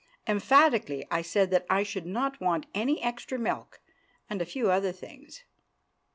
Emphatically I said that I should not want any extra milk—and a few other things.